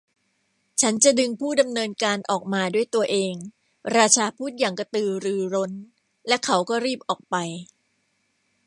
'ฉันจะดึงผู้ดำเนินการออกมาด้วยตัวเอง' ราชาพูดอย่างกระตือรือร้นและเขาก็รีบออกไป